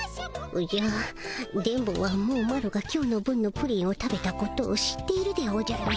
おじゃ電ボはもうマロが今日の分のプリンを食べたことを知っているでおじゃる。